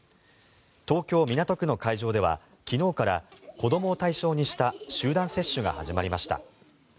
東京・港区の会場では昨日から子どもを対象にした集団接種が始まりました。